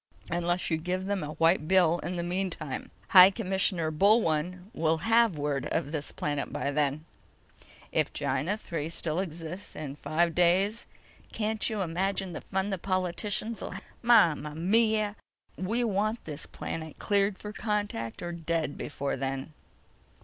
Unless you give them a white bill in the meantime. High Commissioner Bullone will have word of this planet by then. If Gienah III still exists in five days, can't you imagine the fun the politicians'll have with it? Mama mia! We want this planet cleared for contact or dead before then."